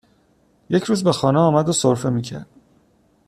یک روز به خانه آمد و سرفه میکرد